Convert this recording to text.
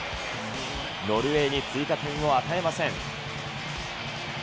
ノルウェーに追加点を与えません。